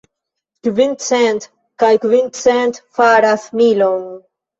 Kvin cent kaj kvin cent faras milon.